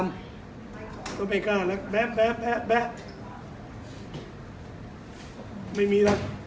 ไม่กล้าแล้วแบบแบบแบบแม่แม่มีล่ะ